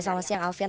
selamat siang alfian